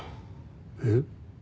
えっ？